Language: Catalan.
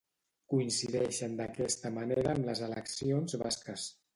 Coincideixen d'aquesta manera amb les eleccions basques.